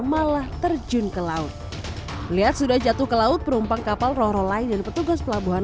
malah terjun ke laut melihat sudah jatuh ke laut perumpang kapal roh rolly dan petugas pelabuhan